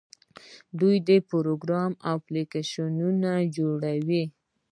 دوی پروګرامونه او اپلیکیشنونه جوړوي.